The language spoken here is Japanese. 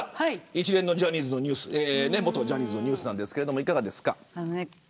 一連の元ジャニーズのニュースいかがですか。